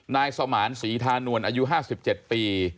นายสมานศรีธานวลอายุ๕๗ปี